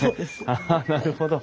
ああなるほど。